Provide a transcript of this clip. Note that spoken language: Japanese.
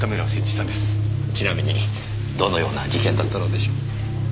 ちなみにどのような事件だったのでしょう？